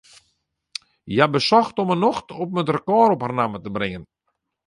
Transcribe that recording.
Hja besocht om 'e nocht om it rekôr op har namme te bringen.